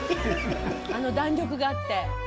「あの弾力があって」